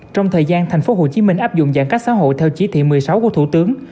trong thời gian tp hcm áp dụng giãn cách xã hội theo chỉ thị một mươi sáu của thủ tướng